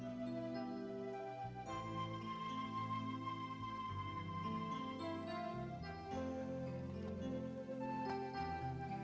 kami semoga dapat membuat pastinya